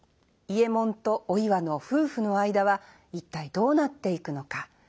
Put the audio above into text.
伊右衛門とお岩の夫婦の間は一体どうなっていくのか。